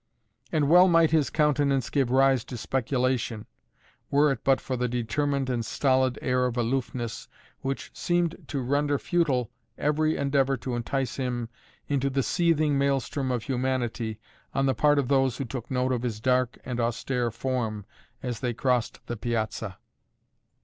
And well might his countenance give rise to speculation, were it but for the determined and stolid air of aloofness which seemed to render futile every endeavor to entice him into the seething maelstrom of humanity on the part of those who took note of his dark and austere form as they crossed the Piazza.